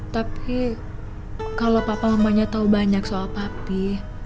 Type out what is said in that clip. tapi kalau papa mamanya tahu banyak soal papi